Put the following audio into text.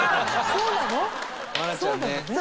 そうなのね。